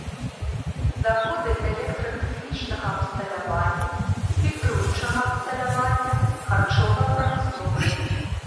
Заводы электратэхнічнага абсталявання, фільтруючага абсталявання, харчовая прамысловасць.